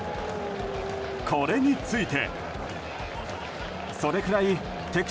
これについて。